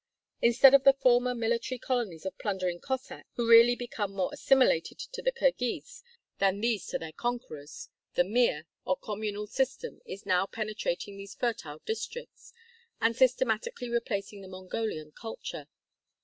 Instead of the former military colonies of plundering Cossacks, who really become more assimilated to the Kirghiz than these to their conquerors, the mir, or communal system, is now penetrating these fertile districts, and systematically replacing the Mongolian culture.